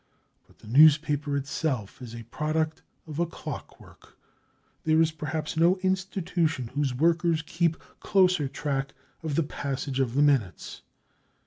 But the newspaper itself is a product of clockwork; there is perhaps no institution whose workers keep closer track of the passage of the minutes.